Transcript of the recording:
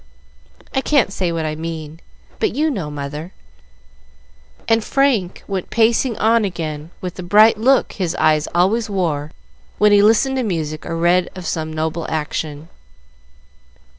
I can't say what I mean, but you know, mother;" and Frank went pacing on again with the bright look his eyes always wore when he listened to music or read of some noble action.